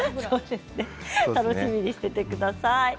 楽しみにしていてください。